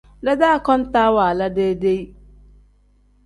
Dedee akontaa waala deyi-deyi.